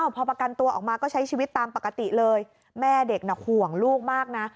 พอประกันตัวออกมาก็ใช้ชีวิตตามปกติเลยแม่เด็กน่ะห่วงลูกมากนะ